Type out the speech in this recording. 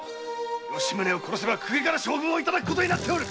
吉宗を殺せば公家から将軍をいただくことになっておる！